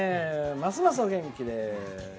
ますますお元気で。